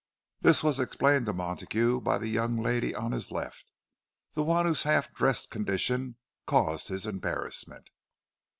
This was explained to Montague by the young lady on his left—the one whose half dressed condition caused his embarrassment.